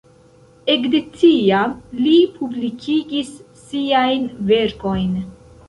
Ekde tiam li publikigis siajn verkojn.